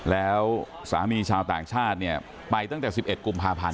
แล้วสามีชาวต่างชาติเนี่ยไปตั้งแต่๑๑กุมภาพันธ์